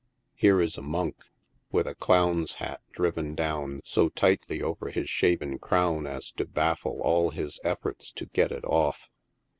7 Here is a monk, with a clown's hat driven down so tightly over his shaven crown as to baffle all his efforts to get it off.